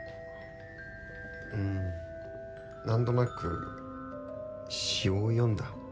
うんなんとなく詩を詠んだ？